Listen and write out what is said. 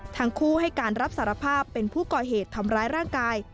ทั้งคู่ให้การรับสารภาพเป็นผู้ก่อเหตุทำร้ายร่างกาย